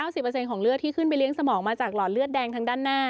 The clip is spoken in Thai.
๐ของเลือดที่ขึ้นไปเลี้ยสมองมาจากหลอดเลือดแดงทางด้านหน้า